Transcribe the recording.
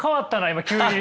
今急に。